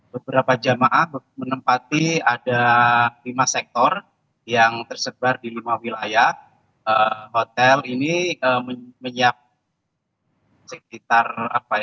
beberapa jemaah menempati ada lima sektor yang tersebar di lima wilayah hotel ini menyiap